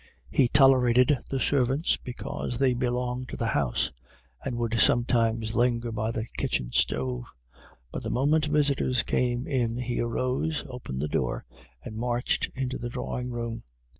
He tolerated the servants, because they belonged to the house, and would sometimes linger by the kitchen stove; but the moment visitors came in he arose, opened the door, and marched into the drawing room.